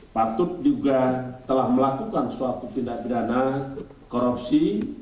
patut juga telah melakukan suatu tindak pidana korupsi